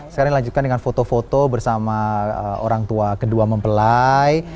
sekarang dilanjutkan dengan foto foto bersama orang tua kedua mempelai